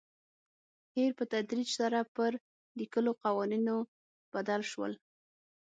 هیر په تدریج سره پر لیکلو قوانینو بدل شول.